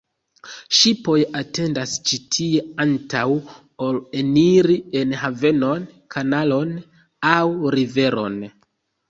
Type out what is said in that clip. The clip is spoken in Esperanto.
Ŝipoj atendas ĉi tie antaŭ ol eniri en havenon, kanalon aŭ riveron.